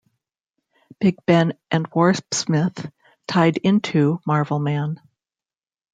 "Big Ben" and "Warpsmith" tied into "Marvelman".